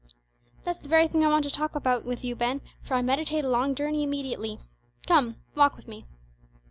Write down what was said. "That's the very thing I want to talk about with you, Ben, for I meditate a long journey immediately. Come, walk with me."